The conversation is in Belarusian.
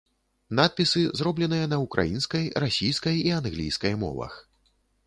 Надпісы зробленыя на ўкраінскай, расійскай і англійскай мовах.